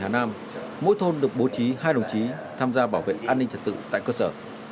trên địa bàn tỉnh hà nam mỗi thôn được bố trí hai đồng chí tham gia bảo vệ an ninh trật tự tại cơ sở